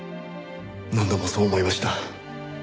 何度もそう思いました。